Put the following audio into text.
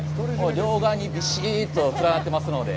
両側にびしっと連なっていますので。